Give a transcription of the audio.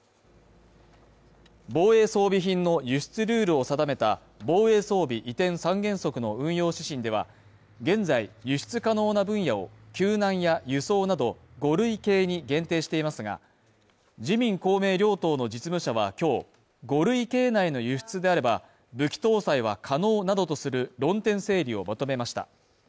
防衛装備品の輸出ルールを定めた防衛装備移転三原則の運用指針では現在、輸出可能な分野を救難や輸送など５類型に限定していますが、自民・公明両党の実務者は今日５類型内の輸出であれば、武器搭載は可能などとする論点整理をまとめました。